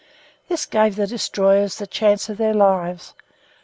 This gave the destroyers the chance of their lives.